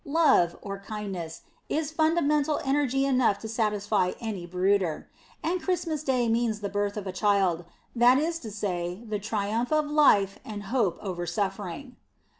Love, or kindness, is fundamental energy enough to satisfy any brooder. And Christmas Day means the birth of a child; that is to say, the triumph of life and hope over suffering.